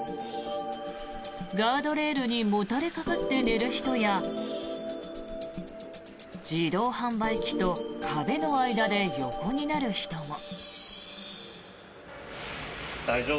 ガードレールにもたれかかって寝る人や自動販売機と壁の間で横になる人も。